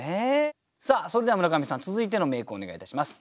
それでは村上さん続いての名句をお願いいたします。